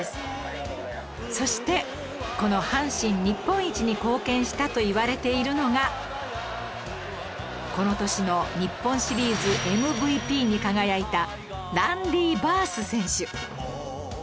そしてこの阪神日本一に貢献したといわれているのがこの年の日本シリーズ ＭＶＰ に輝いたランディ・バース選手